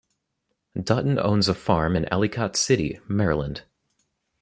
Dutton owns a farm in Ellicott City, Maryland.